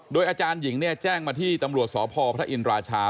โดยอาจารย์หญิงแจ้งมาที่ตำรวจสพพระอินราชา